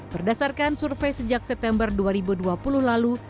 berdasarkan survei sejak september dua ribu dua puluh lalu